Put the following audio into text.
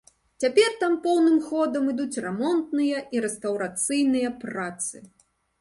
Цяпер там поўным ходам ідуць рамонтныя і рэстаўрацыйныя працы.